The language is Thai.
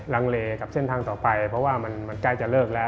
ลังเลกับเส้นทางต่อไปเพราะว่ามันใกล้จะเลิกแล้ว